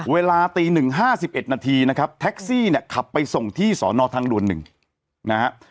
เวลาตี๑๕๑นาทีนะครับแท็กซี่เนี่ยขับไปส่งที่สอนอทางด่วน๑นะฮะ